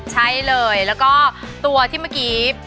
ใช่เลยแล้วก็ตัวที่เมื่อกี้